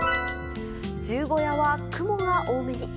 十五夜は雲が多めに。